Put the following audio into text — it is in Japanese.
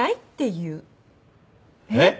えっ？